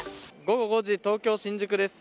午後５時、東京・新宿です。